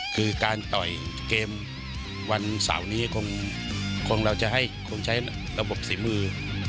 คือการต่อยเกมวันเสาร์นี้คงเราจะให้คงใช้ระบบฝีมือ